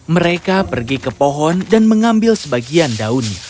mereka pergi ke pohon dan mengambil sebagian daunnya